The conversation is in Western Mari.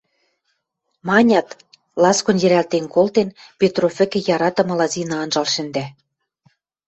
– манят, ласкон йӹрӓлтен колтен, Петров вӹкӹ яратымыла Зина анжал шӹндӓ.